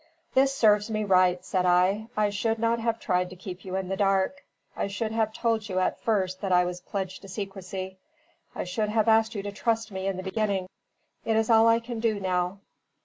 "This serves me right," said I. "I should not have tried to keep you in the dark; I should have told you at first that I was pledged to secrecy; I should have asked you to trust me in the beginning. It is all I can do now.